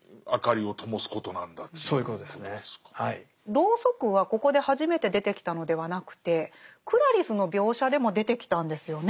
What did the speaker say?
ロウソクはここで初めて出てきたのではなくてクラリスの描写でも出てきたんですよね。